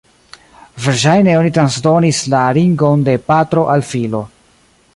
Verŝajne oni transdonis la ringon de patro al filo.